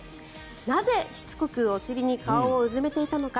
なぜ、しつこくお尻に顔をうずめていたのか。